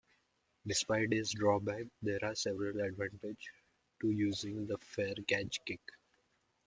Despite its drawbacks, there are several advantages to using the fair catch kick.